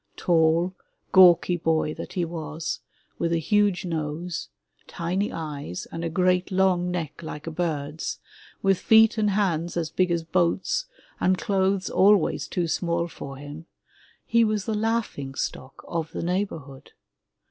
Tall, gawky boy that he was, with a huge nose, tiny eyes and a great long neck like a bird's, with feet and hands as big as boats, and clothes al ways too small for him — ^he was the laughing stock of the neighbor hood.